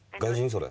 それ。